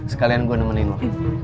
sekalian gue nemenin lo